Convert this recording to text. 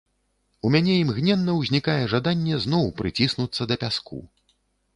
У мяне імгненна ўзнікае жаданне зноў прыціснуцца да пяску.